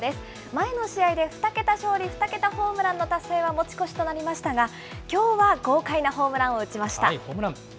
前の試合で２桁勝利、２桁ホームランの達成は持ち越しとなりましたが、きょうは豪快なホームランを打ちました。